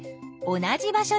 同じ場所？